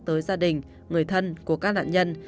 tới gia đình người thân của các nạn nhân